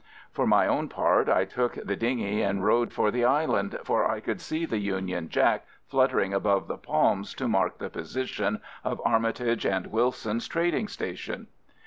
For my own part I took the dinghy and rowed for the island, for I could see the Union Jack fluttering above the palms to mark the position of Armitage and Wilson's trading station.